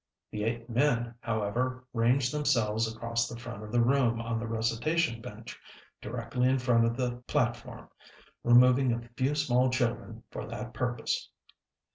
The eight men, however, ranged themselves across the front of the room on the recitation bench, directly in front of the platform, removing a few small children for that purpose.